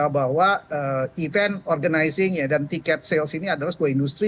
bahwa event organizing dan tiket sales ini adalah sebuah industri